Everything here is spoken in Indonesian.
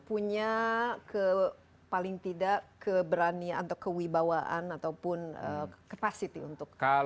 punya paling tidak keberanian atau kewibawaan ataupun capacity untuk melakukan itu semua